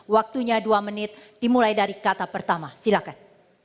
waktunya dua menit dimulai dari kata pertama silakan